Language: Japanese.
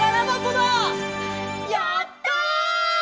やった！